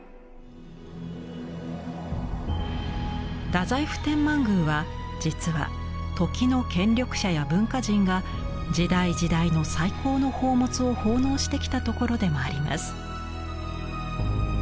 太宰府天満宮は実は時の権力者や文化人が時代時代の最高の宝物を奉納してきたところでもあります。